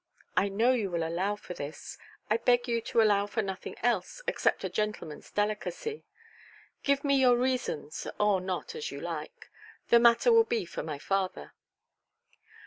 I know you will allow for this; I beg you to allow for nothing else, except a gentlemanʼs delicacy. Give me your reasons, or not, as you like. The matter will be for my father".